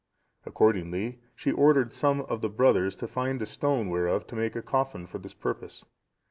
Accordingly she ordered some of the brothers to find a stone whereof to make a coffin for this purpose.